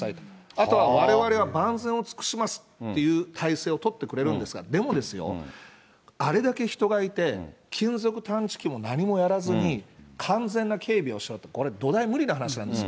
あとはわれわれは万全を尽くしますっていう体制を取ってくれるんですが、でもですよ、あれだけ人がいて、金属探知機も何もやらずに、完全な警備をしろって、これ、どだい無理な話なんですよ。